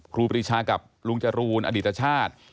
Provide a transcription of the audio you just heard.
ครูปรีชากับลุงจรูนอดิตชาติ